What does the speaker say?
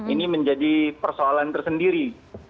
ini menjadi persoalan tersendiri